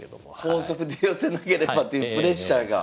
光速で寄せなければというプレッシャーが。